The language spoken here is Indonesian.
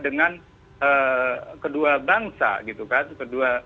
dengan kedua bangsa gitu kan